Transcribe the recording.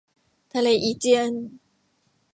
ทะเลอีเจียน